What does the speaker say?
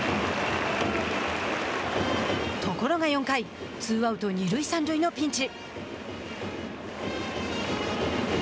ところが４回ツーアウト、二塁三塁のピンチ。